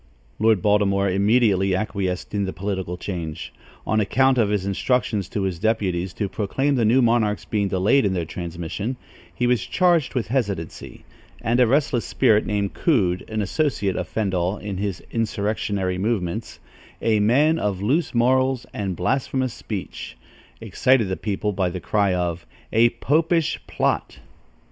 Lord Baltimore immediately acquiesced in the political change. On account of his instructions to his deputies to proclaim the new monarchs being delayed in their transmission, he was charged with hesitancy; and a restless spirit named Coode, an associate of Fendall in his insurrectionary movements "a man of loose morals and blasphemous speech" excited the people by the cry of "a popish plot!"